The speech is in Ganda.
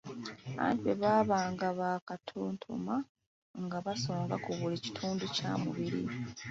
Anti bwe baabanga bakatontoma nga basonga ku buli kitundu kya mubiri.